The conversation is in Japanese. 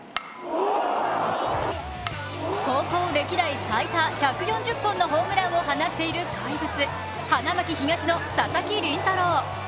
高校歴代最多１４０本のホームランを放っている怪物、花巻東の佐々木麟太郎。